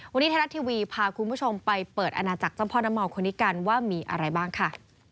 วันนี้ไทยรัฐทีวีพาคุณผู้ชมไปเปิดอาณาจักรเจ้าพ่อน้ำเมาคนนี้กันว่ามีอะไรบ้างค่ะ